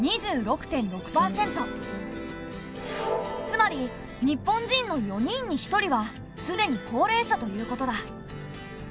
つまり日本人の４人に１人はすでに高齢者ということだ。